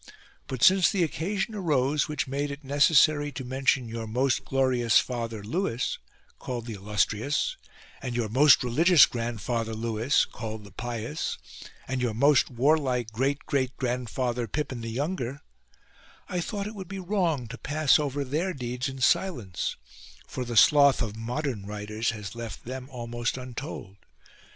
But since the occasion arose which made it necessary to mention your most glorious father Lewis, called the illustrious, and your most religious grand father Lewis, called the pious, and your most warlike great great grandfather Pippin the younger, I thought it would be wrong to pass over their deeds in silence, for the sloth of modern writers has left them almost untold.